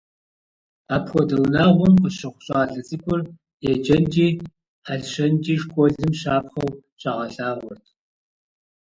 Апхуэдэ унагъуэм къыщыхъу щӀалэ цӀыкӀур еджэнкӀи хьэлщэнкӀи школым щапхъэу щагъэлъагъуэрт.